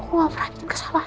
kenapa dia lakuin ini sama aku